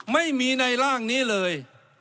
ไม่มีในร่างนี้เลย